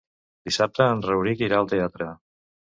Dissabte en Rauric irà al teatre.